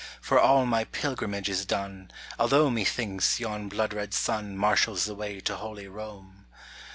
For all my pilgrimage is done, Although, methinks, yon blood red sun Marshals the way to Holy Rome.